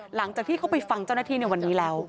หลังจากที่เขาไปฟังเจ้าหน้าที่ในวันนี้แล้ว